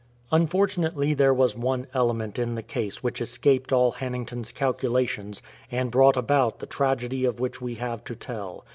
Unfortunately there was one element in the case which escaped all Hannington's calculations, and brought about the tragedy of which we have to tell.